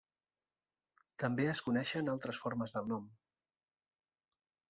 També es coneixen altres formes del nom.